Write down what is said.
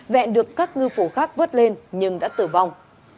vẹn được các ngư phủ khác vớt lên nhưng đã tử vong